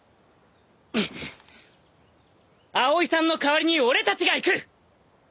アオイさんの代わりに俺たちが行く！